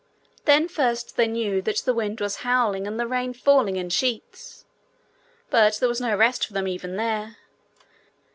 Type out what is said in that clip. Then first they knew that the wind was howling and the rain falling in sheets. But there was no rest for them even there.